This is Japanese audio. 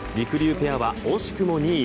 うペアは惜しくも２位。